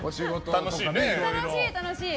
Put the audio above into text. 楽しい、楽しい！